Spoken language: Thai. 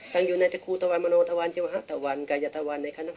สามสี่ปีแล้ว